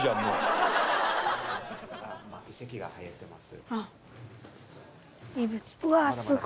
遺跡が入ってます。